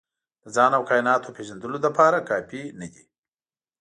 د ځان او کایناتو پېژندلو لپاره کافي نه دي.